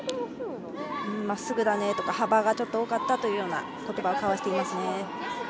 まっすぐだね、とか幅がちょっと多かったという言葉を交わしていますね。